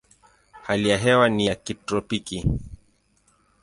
Hali ya hewa ni ya kitropiki.